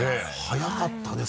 早かったね